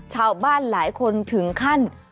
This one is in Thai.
ชาวบ้านหลายคนถึงขั้น